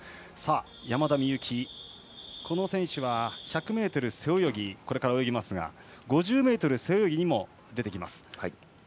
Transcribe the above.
山田美幸、この選手は１００ｍ背泳ぎをこれから泳ぎますが５０ｍ背泳ぎにも出ます。